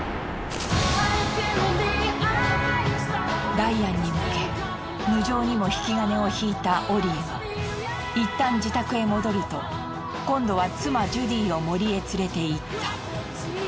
ダイアンに向け無情にも引き金を引いたオリーは一旦自宅へ戻ると今度は妻ジュディを森へ連れていった。